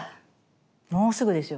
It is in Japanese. もうすぐですよ。